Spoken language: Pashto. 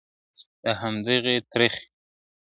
د همدغی ترخې !.